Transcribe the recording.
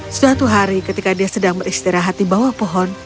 suatu hari ketika dia sedang beristirahat di bawah pohon